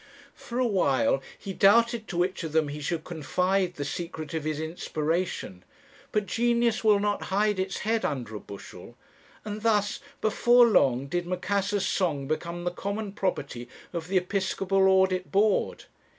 For a while he doubted to which of them he should confide the secret of his inspiration; but genius will not hide its head under a bushel; and thus, before long, did Macassar's song become the common property of the Episcopal Audit Board.